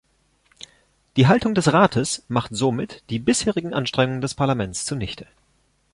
Die Haltung des Rates macht somit die bisherigen Anstrengungen des Parlaments zunichte.